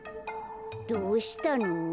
どうしたの？